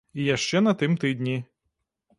І яшчэ на тым тыдні.